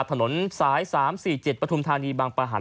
ถนนสาย๓๔๗ปฐุมธานีบางประหัน